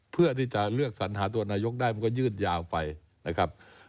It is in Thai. เพื่อที่จะเลือกสัญหาตัวนายกได้มันก็ยืดยาวไปนะครับ